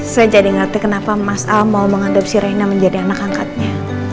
saya jadi ngerti kenapa mas al mau mengadopsi raina menjadi anak angkatnya